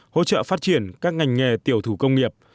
hỗ trợ phát triển các ngành nghề tiểu thủ công nghiệp